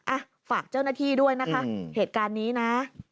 อ่ะฝากเจ้าหน้าที่ด้วยนะคะเหตุการณ์นี้นะ